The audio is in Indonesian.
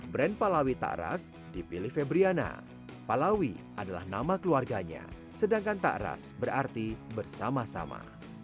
brand palawi takras dipilih febriana palawi adalah nama keluarganya sedangkan takras berarti bersama sama